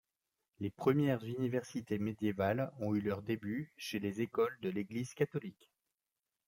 Les premières universités médiévales ont eu leurs débuts chez les écoles de l'église catholique.